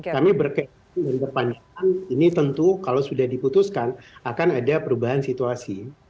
kami berkepanjangan ini tentu kalau sudah diputuskan akan ada perubahan situasi